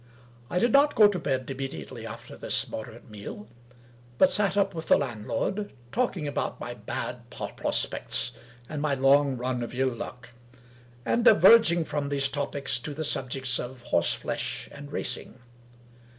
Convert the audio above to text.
I did not go to bed immediately after this moderate meal, but sat up with the landlord, talking about my bad prospects and my long run of ill luck, and diverging from these topics to the sub jects of horse flesh and racing.